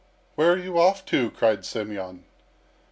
"Where are you off to?" cried Semyon.